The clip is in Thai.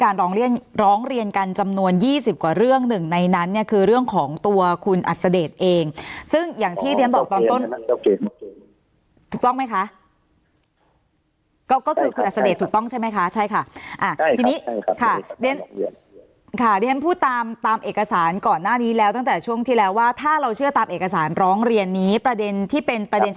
ร้องเรียนกันจำนวนยี่สิบกว่าเรื่องหนึ่งในนั้นเนี่ยคือเรื่องของตัวคุณอัศเดชเองซึ่งอย่างที่เรียนบอกตอนต้นถูกต้องไหมคะก็คือคุณอัศเดชถูกต้องใช่ไหมคะใช่ค่ะทีนี้ค่ะที่ฉันพูดตามตามเอกสารก่อนหน้านี้แล้วตั้งแต่ช่วงที่แล้วว่าถ้าเราเชื่อตามเอกสารร้องเรียนนี้ประเด็นที่เป็นประเด็น